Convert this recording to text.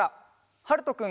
はるとくん。